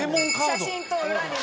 写真と裏に名前。